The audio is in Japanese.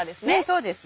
そうですね。